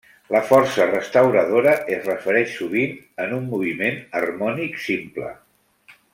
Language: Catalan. La força restauradora es refereix sovint en un moviment harmònic simple.